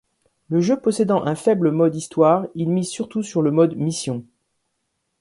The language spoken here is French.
Le jeu possédant un faible mode histoire, il mise surtout sur le mode mission.